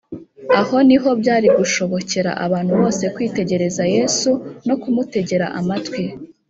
aho niho byari gushobokera abantu bose kwitegereza yesu no kumutegera amatwi